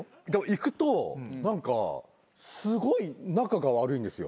行くと何かすごい仲が悪いんですよ。